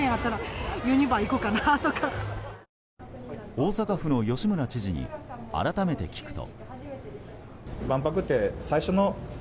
大阪府の吉村知事に改めて聞くと。